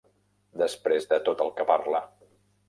Després de tot el que parla!